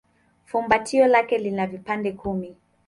Fumbatio lake lina vipande kumi.